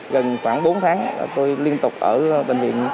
gần khoảng bốn tháng tôi liên tục ở bệnh viện